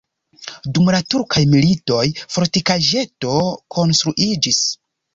Dum la turkaj militoj fortikaĵeto konstruiĝis.